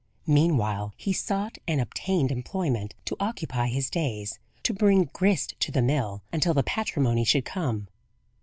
Meanwhile he sought and obtained employment to occupy his days; to bring "grist to the mill," until the patrimony should come.